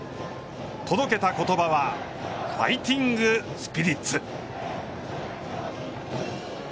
届けた言葉はファイテングスピリッツ。